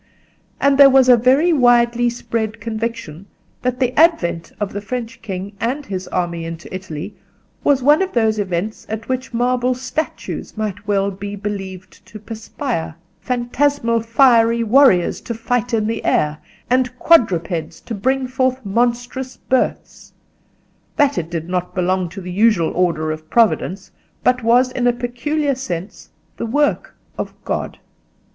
And there was a very widely spread conviction that the advent of the French king and his army into Italy was one of those events at which marble statues might well be believed to perspire, phantasmal fiery warriors to fight in the air, and quadrupeds to bring forth monstrous births—that it did not belong to the usual order of Providence, but was in a peculiar sense the work of God.